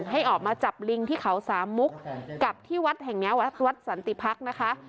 ให้ออกมาจับลิงที่เขาสามมุกกับที่วัดแห่งนี้วัดสันติพักษ์นะคะ